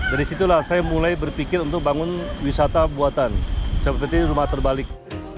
dari situlah saya mulai berpikir untuk bangun wisata buatan seperti rumah terbalik